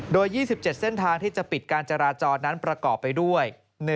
โดย๒๗เส้นทางที่จะปิดการจราจรนั้นประกอบไปด้วย